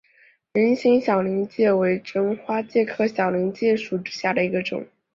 菱形小林介为真花介科小林介属下的一个种。